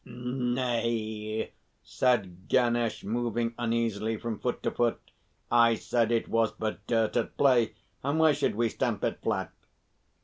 "Nay," said Ganesh, moving uneasily from foot to foot; "I said it was but dirt at play, and why should we stamp it flat?"